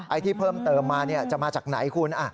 ไอ้ที่เพิ่มเติมมาเนี่ยจะมาจากไหนคุณ